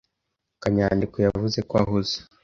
Kanyandekwe yavuze ko ahuze.